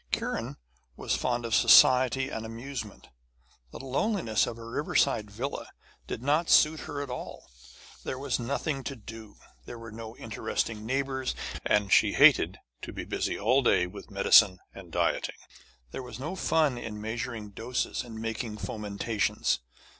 Kiran was fond of society and amusement; the loneliness of her riverside villa did not suit her at all. There was nothing to do, there were no interesting neighbours, and she hated to be busy all day with medicine and dieting. There was no fun in measuring doses and making fomentations.